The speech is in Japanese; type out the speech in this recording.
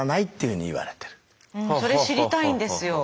それ知りたいんですよ。